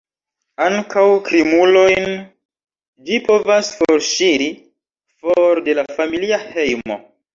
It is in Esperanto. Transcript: Ankaŭ krimulojn ĝi povas forŝiri for de la familia hejmo.